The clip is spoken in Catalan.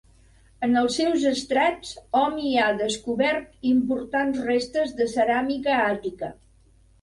En els seus estrats hom hi ha descobert importants restes de ceràmica àtica.